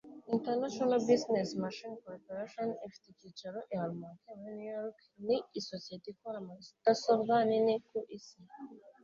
International Business Machines Corporation ifite icyicaro i Armonk muri New York ni isosiyete ikora mudasobwa nini ku isi